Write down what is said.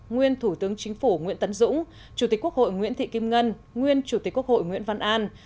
nguyên thủ tướng chính phủ nguyễn tấn dũng chủ tịch quốc hội nguyễn thị kim ngân nguyên chủ tịch quốc hội nguyễn văn an